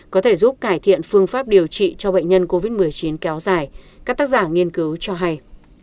có thể giúp cải thiện phương pháp điều trị cho bệnh nhân covid một mươi chín kéo dài các tác giả nghiên cứu cho hay